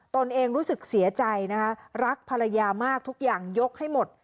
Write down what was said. ตนเองรู้สึกเสียใจนะคะรักภรรยามากทุกอย่างยกให้หมด